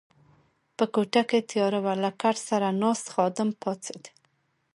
په کوټه کې تیاره وه، له کټ سره ناست خادم پاڅېد.